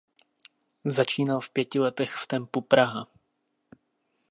Začínal v pěti letech v Tempu Praha.